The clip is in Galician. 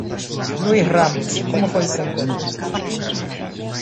Luís Ramos, como foi ese encontro?